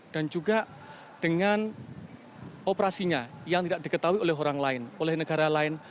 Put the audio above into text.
dan juga dengan operasinya yang tidak diketahui oleh orang lain oleh negara lain